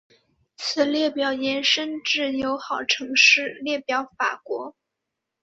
此列表延伸至友好城市列表法国。